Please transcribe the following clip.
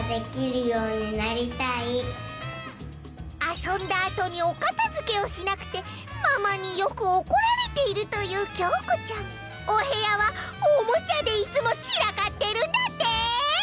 あそんだあとにおかたづけをしなくてママによくおこられているというおへやはおもちゃでいつもちらかってるんだって！